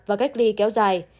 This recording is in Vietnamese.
và cách ly kéo dài